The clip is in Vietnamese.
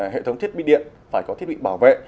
hệ thống thiết bị điện phải có thiết bị bảo vệ